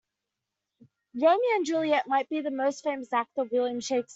Romeo and Juliet might be the most famous act of William Shakespeare.